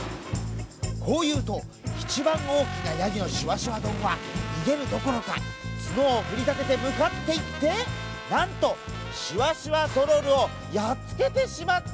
こういうといちばんおおきなヤギのしわしわどんはにげるどころかつのをふりだててむかっていってなんとしわしわトロルをやっつけてしまったのです。